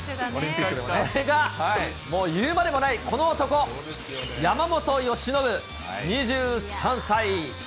それが言うまでもないこの男、山本由伸２３歳。